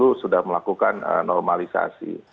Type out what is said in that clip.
jadi kita memang harus berharap bahwa kita bisa melakukan normalisasi